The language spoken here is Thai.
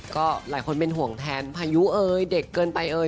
ก็หลายคนเป็นห่วงแทนพายุเอยเด็กเกินไปเอ่ย